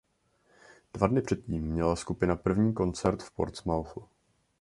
Dva dny předtím měla skupina první koncert v Portsmouthu.